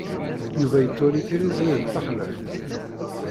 Yuba yettwali Tiziri d taxlaft.